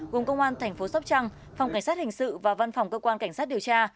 gồm công an thành phố sóc trăng phòng cảnh sát hình sự và văn phòng cơ quan cảnh sát điều tra